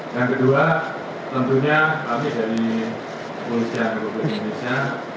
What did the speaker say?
yang kedua tentunya kami dari polisi yang kebuka indonesia